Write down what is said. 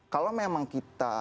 kalau memang kita